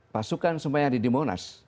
pasukan semua yang ada di monas